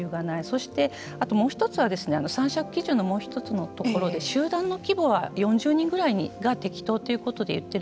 そして、あともう一つはですね参酌基準のもう一つのところで集団の規模は４０人ぐらいが適当ということで言っている。